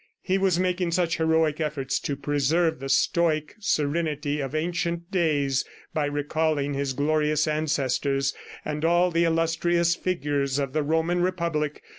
He was making such heroic efforts to preserve the stoic serenity of ancient days by recalling his glorious ancestors and all the illustrious figures of the Roman Republic.